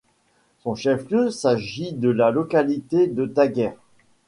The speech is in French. Son chef-lieu s'agit de la localité de Taguert.